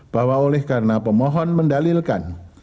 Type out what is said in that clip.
bahwa oleh karena pemohon mendalilkan